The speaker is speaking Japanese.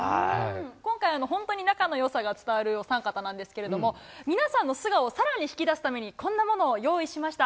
今回、本当に仲のよさが伝わるお三方なんですけども、皆さんの素顔をさらに引き出すために、こんなものを用意しました。